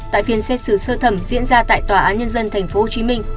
tại phiên xét xử sơ thẩm diễn ra tại tòa án nhân dân tp hcm